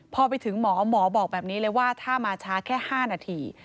พอไปถึงหมอหมอบอกแบบนี้เลยว่าถ้ามาช้าแค่๕นาที